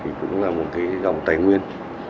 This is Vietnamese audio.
thì cũng là một cái dòng tài nguyên